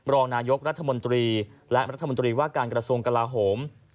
รองนายกรัฐมนตรีและรัฐมนตรีว่าการกระทรวงกลาโหม